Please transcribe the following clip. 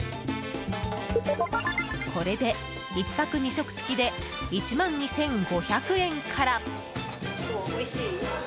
これで１泊２食つきで１万２５００円から。